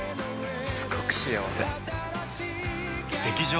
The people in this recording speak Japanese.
すごく幸せ。